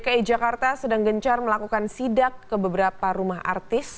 kita sedang gencar melakukan sidak ke beberapa rumah artis